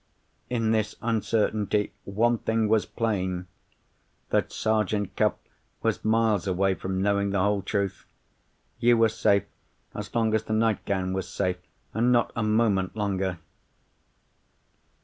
"In this uncertainty, one thing was plain—that Sergeant Cuff was miles away from knowing the whole truth. You were safe as long as the nightgown was safe—and not a moment longer.